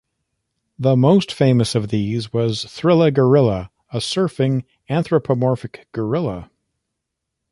The most famous of these was Thrilla Gorilla, a surfing anthropomorphic gorilla.